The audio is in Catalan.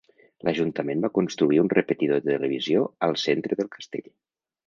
L'ajuntament va construir un repetidor de televisió al centre del castell.